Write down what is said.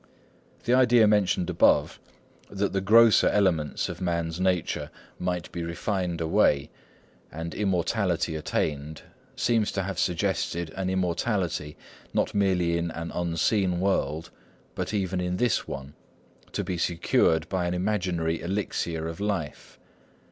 The idea mentioned above, that the grosser elements of man's nature might be refined away and immortality attained, seems to have suggested an immortality, not merely in an unseen world, but even in this one, to be secured by an imaginary elixir of life.